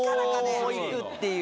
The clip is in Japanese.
こう行くっていう。